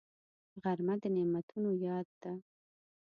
غرمه د نعمتونو یاد ده